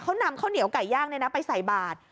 เขานำข้าวเหนียวไก่ย่างไปใส่บาท